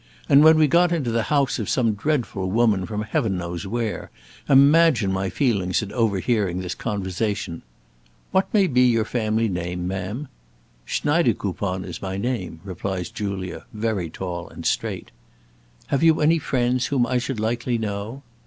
And when we got into the house of some dreadful woman from Heaven knows where, imagine my feelings at overhearing this conversation: 'What may be your family name, ma'am?' 'Schneidekoupon is my name,' replies Julia, very tall and straight. 'Have you any friends whom I should likely know?'